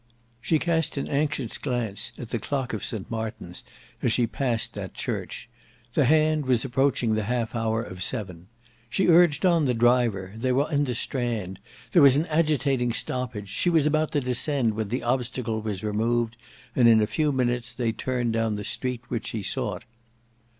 She cast an anxious glance at the clock of St Martin's as she passed that church: the hand was approaching the half hour of seven. She urged on the driver; they were in the Strand; there was an agitating stoppage; she was about to descend when the obstacle was removed; and in a few minutes they turned down the street which she sought.